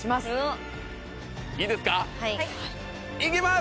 いきます！